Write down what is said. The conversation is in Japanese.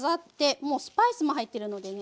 もうスパイスも入ってるのでね。